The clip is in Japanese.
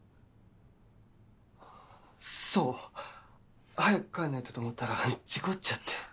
そう早く帰らないとって思ったら事故っちゃって。